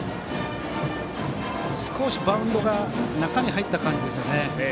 少しバウンドが中に入った形ですね。